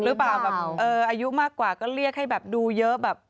หรือเปล่าแบบอายุมากกว่าก็เรียกให้แบบดูเยอะแบบ